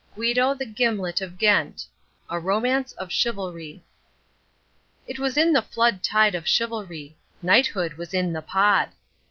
Guido the Gimlet of Ghent: A Romance of Chivalry It was in the flood tide of chivalry. Knighthood was in the pod.